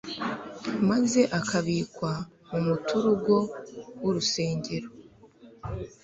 maze akabikwa mu muturugo w'urusengero.